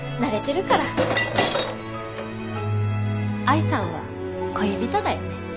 愛さんは恋人だよね？